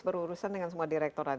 berurusan dengan semua direktorat